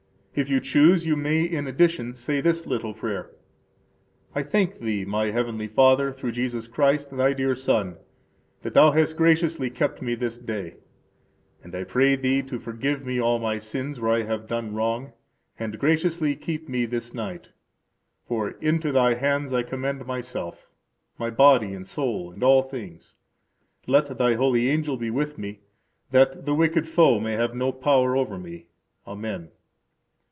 If you choose, you may, in addition, say this little prayer: I thank Thee, my Heavenly Father, through Jesus Christ, Thy dear Son, that Thou hast graciously kept me this day, and I pray Thee to forgive me all my sins, where I have done wrong, and graciously keep me this night. For into Thy hands I commend myself, my body and soul, and all things. Let Thy holy angel be with me, that the Wicked Foe may have no power over me. Amen.